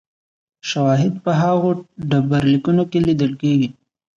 شواهد په هغو ډبرلیکونو کې لیدل کېږي